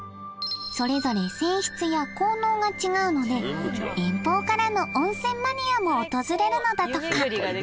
それぞれ泉質や効能が違うので遠方からの温泉マニアも訪れるのだとか